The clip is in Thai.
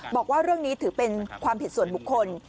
บอกว่าเรื่องนี้ถือเป็นความผิดส่วนบุคคล